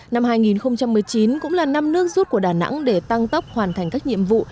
năm hai nghìn một mươi chín cũng là năm nước rút của đà nẵng để tăng tốc hoàn thành các nhiệm vụ